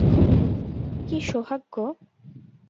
কি সোহাগ গো।